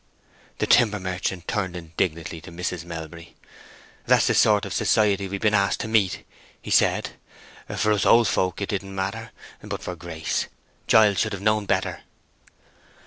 The timber merchant turned indignantly to Mrs. Melbury. "That's the sort of society we've been asked to meet," he said. "For us old folk it didn't matter; but for Grace—Giles should have known better!"